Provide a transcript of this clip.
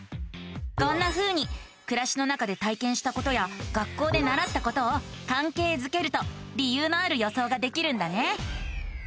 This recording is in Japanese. こんなふうにくらしの中で体験したことや学校でならったことをかんけいづけると理由のある予想ができるんだね。